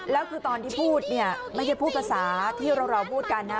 แล้วคือตอนที่พูดเนี่ยไม่ใช่พูดภาษาที่เราพูดกันนะ